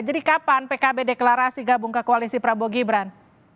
jadi kapan pkb deklarasi gabung ke koalisi prabowo gibran